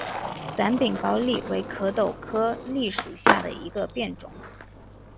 短柄枹栎为壳斗科栎属下的一个变种。